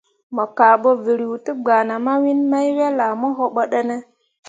Mo kah bo vǝrǝǝ te gbana mawiin mai wel ah mo wobo ɗǝne ?